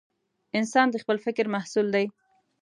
انسان د خپل فکر محصول دی.